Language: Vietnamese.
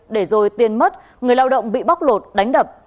để rồi tiền mất người lao động bị bóc lột đánh đập